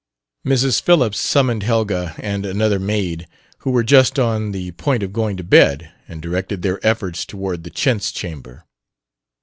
Mrs. Phillips summoned Helga and another maid, who were just on the point of going to bed, and directed their efforts toward the chintz chamber.